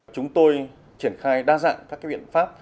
chúng tôi triển khai đa dạng các biện pháp